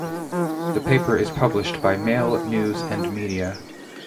The paper is published by Mail News and Media.